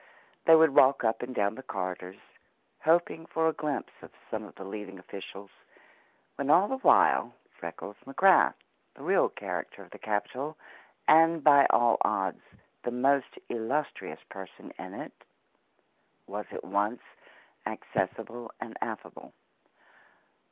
They would walk up and down the corridors, hoping for a glimpse of some of the leading officials, when all the while Freckles McGrath, the real character of the Capitol, and by all odds the most illustrious person in it, was at once accessible and affable.